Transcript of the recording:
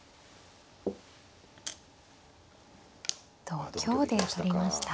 同香で取りました。